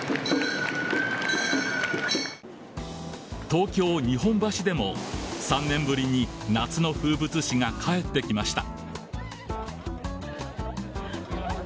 東京・日本橋でも３年ぶりに夏の風物詩が帰ってきました。